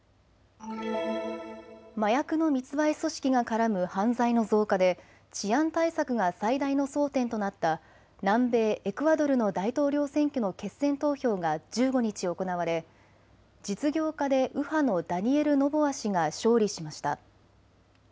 麻薬の密売組織が絡む犯罪の増加で治安対策が最大の争点となった南米・エクアドルの大統領選挙の決選投票が１５日、行われ実業家で右派のダニエル・ノボア氏が勝利しました。